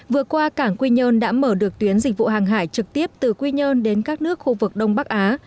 vừa qua cảng quy nhơn đã mở được tuyến dịch vụ hàng hải trực tiếp từ quy nhơn đến các nước khu vực đông bắc á